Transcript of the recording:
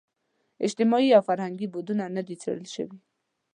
اجتماعي او فرهنګي بعدونه نه دي څېړل شوي.